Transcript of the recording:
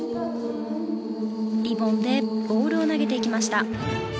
リボンでボールを投げていきました。